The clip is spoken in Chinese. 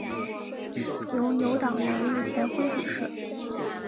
由牛党人物钱徽主持。